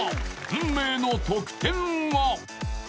運命の得点は！？